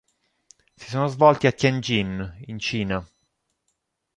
Si sono svolti a Tientsin, in Cina.